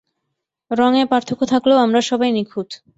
রঙে পার্থক্য থাকলেও আমরা সবাই নিঁখুত!